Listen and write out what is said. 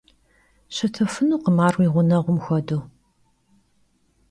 Şıtıfınukhım ar yi ğuneğum xuedeu.